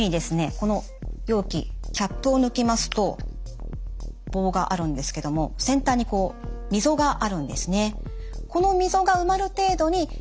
この容器キャップを抜きますと棒があるんですけども先端にみぞがあるんですね。